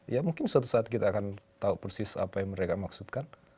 ya mungkin suatu saat kita akan tahu persis apa yang mereka maksudkan